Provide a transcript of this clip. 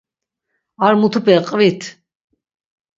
Ar mutupe qvit!